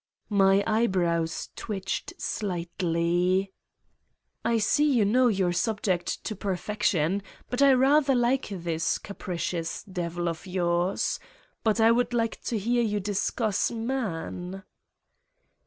My eye brows twitched slightly: "I see you know your subject to perfection, and I rather like this capricious devil of yours. But I would like to hear you discuss man."